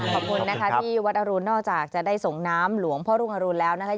ขอบคุณนะคะที่วัดอรุณนอกจากจะได้ส่งน้ำหลวงพ่อรุ่งอรุณแล้วนะคะ